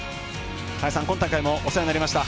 林さん、今大会もお世話になりました。